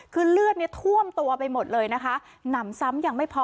คือเลือดเนี่ยท่วมตัวไปหมดเลยนะคะหนำซ้ำยังไม่พอ